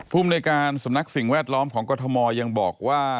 ภูมิในการสำนักสิ่งแวดล้อมของกรทมยังบอกว่า